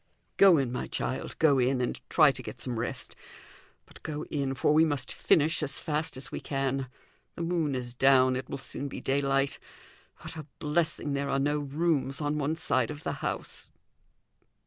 "Go in, my child, go in, and try to get some rest. But go in, for we must finish as fast as we can. The moon is down; it will soon be daylight. What a blessing there are no rooms on one side of the house.